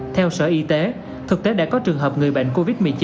theo sở y tế thực tế đã có trường hợp người bệnh covid một mươi chín